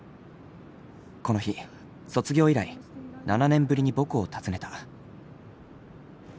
この日卒業以来７年ぶりに母校を訪ねた。